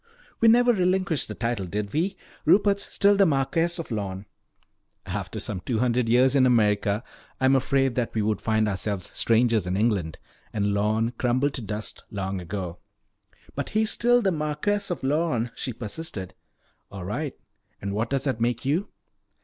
"We never relinquished the title, did we? Rupert's still the Marquess of Lorne." "After some two hundred years in America I am afraid that we would find ourselves strangers in England. And Lorne crumbled to dust long ago." "But he's still Marquess of Lorne," she persisted. "All right. And what does that make you?"